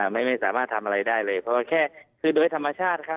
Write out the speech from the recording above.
ไม่สามารถทำอะไรได้เลยเพราะว่าแค่คือโดยธรรมชาติครับ